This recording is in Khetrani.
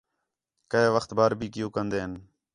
کَئے وخت بار بی کیو کندین